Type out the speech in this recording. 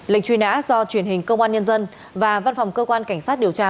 lệnh truy nã do truyền hình công an nhân dân và văn phòng cơ quan cảnh sát điều tra